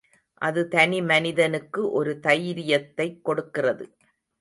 அது தனிமனிதனுக்கு ஒரு தைரியத்தைக் கொடுக்கிறது.